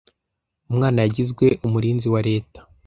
Umwana yagizwe umurinzi wa leta.